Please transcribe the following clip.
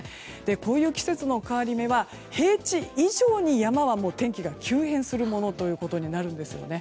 こういう季節の変わり目は平地以上に山の天気は崩れやすくなるんですね。